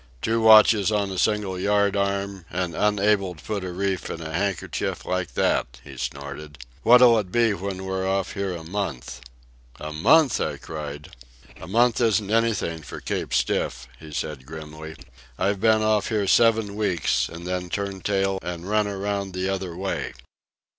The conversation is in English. "Two watches on a single yardarm and unable to put a reef in a handkerchief like that!" he snorted. "What'll it be if we're off here a month?" "A month!" I cried. "A month isn't anything for Cape Stiff," he said grimly. "I've been off here seven weeks and then turned tail and run around the other way."